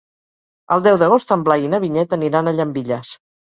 El deu d'agost en Blai i na Vinyet aniran a Llambilles.